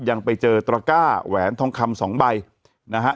ยังไปเจอตระก้าแหวนทองคำสองใบนะฮะ